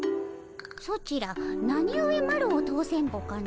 ソチらなにゆえマロを通せんぼかの？